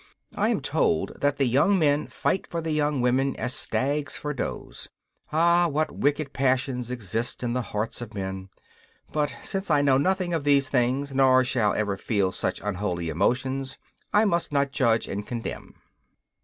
I am told that the young men fight for the young women as stags for does. Ah, what wicked passions exist in the hearts of men! But since I know nothing of these things, nor shall ever feel such unholy emotions, I must not judge and condemn.